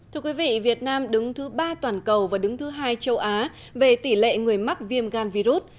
thưa quý vị việt nam đứng thứ ba toàn cầu và đứng thứ hai châu á về tỷ lệ người mắc viêm gan virus